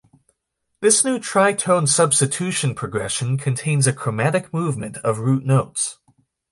This new tritone substitution progression contains a chromatic movement of root notes.